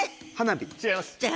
違います。